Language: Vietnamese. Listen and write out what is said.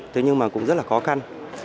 thế nhưng mà cũng rất là khó khăn